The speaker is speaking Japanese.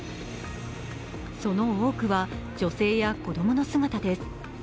その多くは、女性や子供の姿です。